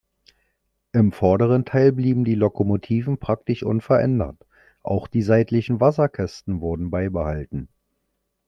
Im vorderen Teil blieben die Lokomotiven praktisch unverändert; auch die seitlichen Wasserkästen wurden beibehalten.